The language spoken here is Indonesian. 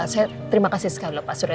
saya terima kasih sekali pak surya